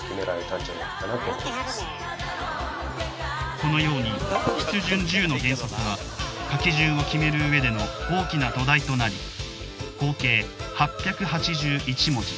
このように「筆順十の原則」は書き順を決めるうえでの大きな土台となり合計８８１文字。